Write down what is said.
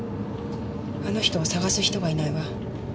あの人を捜す人がいないわ。